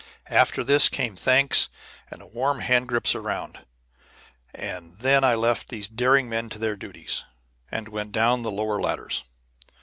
After this came thanks and warm hand grips all around, and then I left these daring men to their duties, and went down the lower ladders.